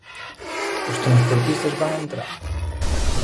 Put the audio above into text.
¿Os transportistas van entrar?